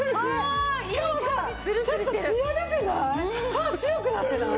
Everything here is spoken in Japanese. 歯白くなってない？